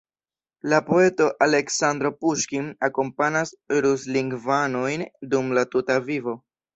La poeto Aleksandro Puŝkin akompanas ruslingvanojn dum la tuta vivo.